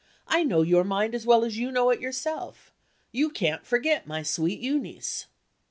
I know your mind as well as you know it yourself. You can't forget my sweet Euneece."